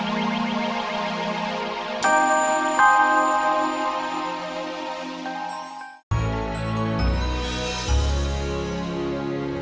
mereka tidak akan